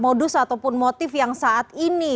modus ataupun motif yang saat ini